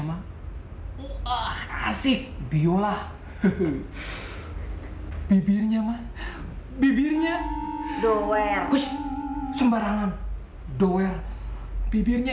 sampai jumpa di video selanjutnya